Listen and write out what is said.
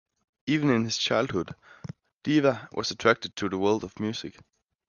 Even in his childhood, Deva was attracted to the world of music.